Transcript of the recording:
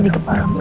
di kepala gue